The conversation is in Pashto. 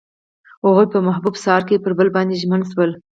هغوی په محبوب سهار کې پر بل باندې ژمن شول.